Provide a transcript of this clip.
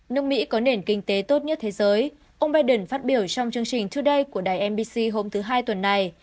nước mỹ có nền kinh tế tốt nhất thế giới ông biden phát biểu trong chương trình today của đài nbc hôm thứ hai tuần này